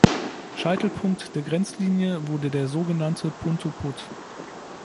Scheitelpunkt der Grenzlinie wurde der so genannte „Punto Put“.